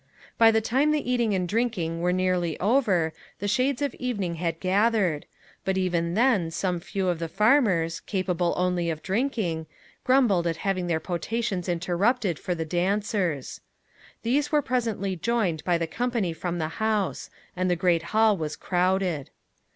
By the time the eating and drinking were nearly over, the shades of evening had gathered; but even then some few of the farmers, capable only of drinking, grumbled at having their potations interrupted for the dancers. These were presently joined by the company from the house, and the great hall was crowded.